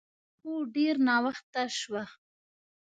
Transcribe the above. هو، ډېر ناوخته شوه.